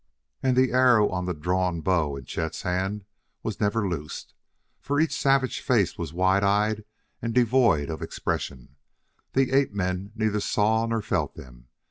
And the arrow on the drawn bow in Chet's hand was never loosed, for each savage face was wide eyed and devoid of expression; the ape men neither saw nor felt them.